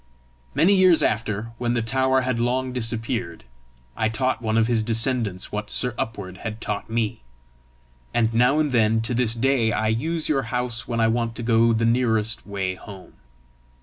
"Many years after, when the tower had long disappeared, I taught one of his descendants what Sir Upward had taught me; and now and then to this day I use your house when I want to go the nearest way home.